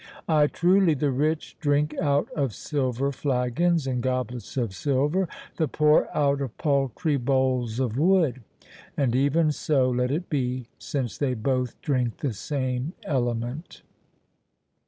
—Ay, truly, the rich drink out of silver flagons, and goblets of silver, the poor out of paltry bowls of wood—and even so let it be, since they both drink the same element."